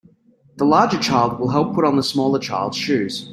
The larger child will help put on the smaller child 's shoes.